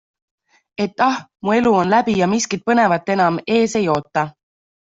Et ah, mu elu on läbi ja miskit põnevat enam ees ei oota.